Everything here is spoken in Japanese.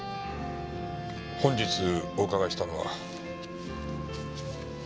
本日お伺いしたのは。